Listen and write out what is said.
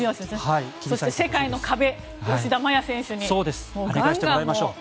そして、世界の壁吉田麻也選手にガンガン。